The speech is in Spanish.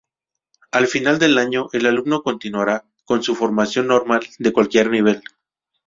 Al final del año, el alumno continuará con su formación normal de cualquier nivel.